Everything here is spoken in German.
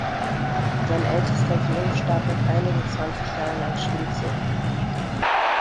Sein ältester Sohn starb mit einigen zwanzig Jahren an Schwindsucht.